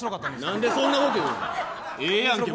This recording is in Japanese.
なんでそんなこと言うの、ええやんけ。